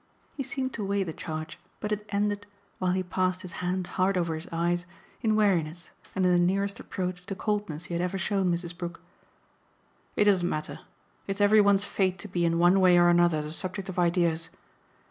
He seemed to weigh the charge, but it ended, while he passed his hand hard over his eyes, in weariness and in the nearest approach to coldness he had ever shown Mrs. Brook. "It doesn't matter. It's every one's fate to be in one way or another the subject of ideas.